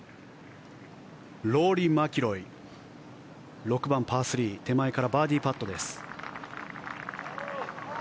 ローリー・マキロイ６番、パー３手前からバーディーパットです。